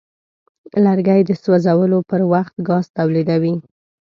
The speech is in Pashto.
لرګی د سوځولو پر وخت ګاز تولیدوي.